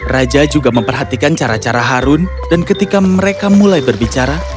raja juga memperhatikan cara cara harun dan ketika mereka mulai berbicara